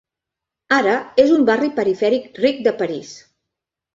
Ara és un barri perifèric ric de París.